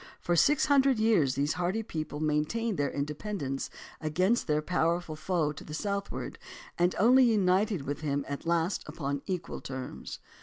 CALHOUN for six hundred years these hardy people maintained their independence against their powerful foe to the southward and only united with him at last upon equal terms.